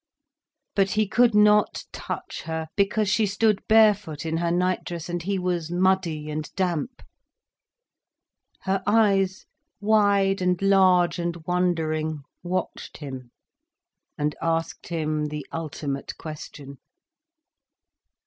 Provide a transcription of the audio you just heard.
But he could not touch her, because she stood barefoot in her night dress, and he was muddy and damp. Her eyes, wide and large and wondering, watched him, and asked him the ultimate question.